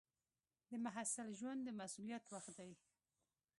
د محصل ژوند د مسؤلیت وخت دی.